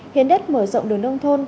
hiến đất mở rộng đường nông thôn